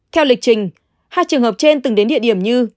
theo lịch trình hai trường hợp trên từng đến địa điểm như